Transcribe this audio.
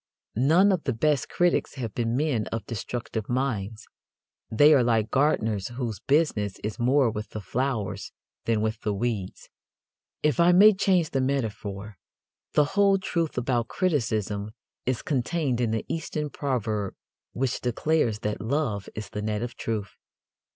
None of the best critics have been men of destructive minds. They are like gardeners whose business is more with the flowers than with the weeds. If I may change the metaphor, the whole truth about criticism is contained in the Eastern proverb which declares that "Love is the net of Truth."